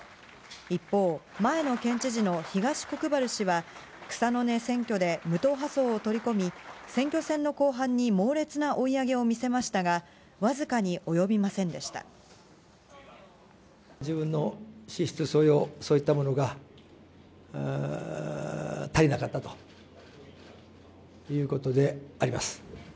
一方、前の県知事の東国原氏は、草の根選挙で無党派層を取り込み、選挙戦の後半に猛烈な追い上げを見せましたが、僅かに及びません自分の資質、素養、そういったものが足りなかったということであります。